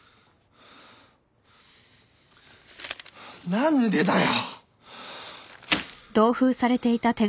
何でだよ！